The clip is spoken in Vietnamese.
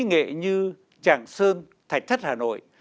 nghệ như tràng sơn thạch thất hà nội